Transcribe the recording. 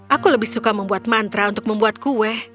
aku lebih suka membuat mantra untuk membuat kue